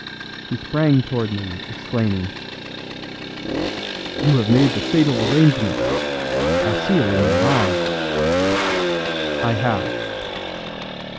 He sprang toward me, exclaiming: "You have made the fatal arrangements I see it in your eye!" "I have."